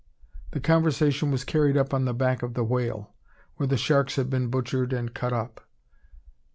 The conversation was carried on upon the back of the whale, where the sharks had been butchered and cut up.